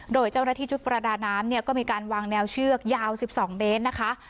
โดยเจ้าหน้าที่ชุดประดาน้ำเนี่ยก็มีการวางแนวเชือกยาว๑๒เมตรนะคะ